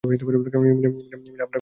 মীনা আপনার খুব বন্ধু ছিল না?